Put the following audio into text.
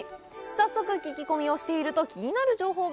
早速、聞き込みをしていると気になる情報が。